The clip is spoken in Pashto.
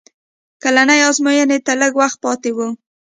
کلنۍ ازموینې ته لږ وخت پاتې و